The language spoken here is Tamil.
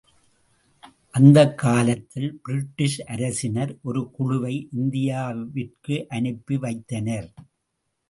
அந்தக் காலத்தில் பிரிட்டிஷ் அரசினர் ஒரு குழுவை இந்தியாவிறகு அனுப்பி வைத்தனர்.